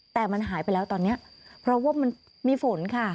แต่มันหายไปแล้วตอนนี้เพราะว่ามันมีฝนค่ะ